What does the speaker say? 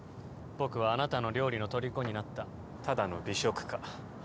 僕はあなたの料理のとりこになったただの美食家。